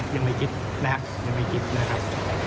ยังไม่คิดอะไรกันยังไม่คิดนะครับ